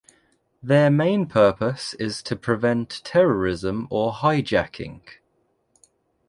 Their main purpose is to prevent terrorism or hijacking.